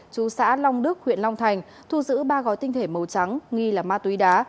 chú xã long đức huyện long thành thu giữ ba gói tinh thể màu trắng nghi là ma túy đá